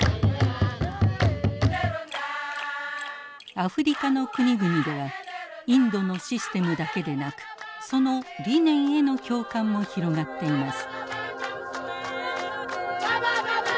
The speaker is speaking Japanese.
アフリカの国々ではインドのシステムだけでなくその理念への共感も広がっています。